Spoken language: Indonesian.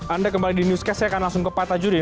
anda kembali di newscast saya akan langsung ke pak tajudin